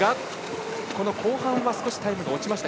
後半は少しタイムが落ちました。